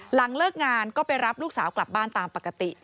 หลังเลิกงานก็ไปรับลูกสาวกลับบ้านตามปกติ